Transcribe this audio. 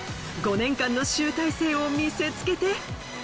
５年間の集大成を見せつけて！